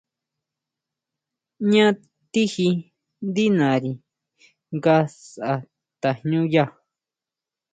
¿Jñá tijí ndí nari nga sʼá tajñúya?